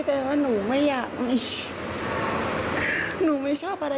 แค่ไปส่งหนูอย่างเดียวเนาะหนูไม่ต้องทำอะไร